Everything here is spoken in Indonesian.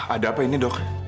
ada apa ini dok